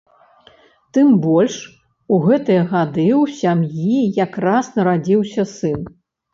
Тым больш у гэтыя гады ў сям'і якраз нарадзіўся сын.